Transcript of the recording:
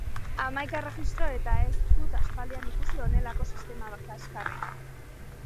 Hamaika erregistro eta ez dut aspaldian ikusi honelako sistema kaxkarrik!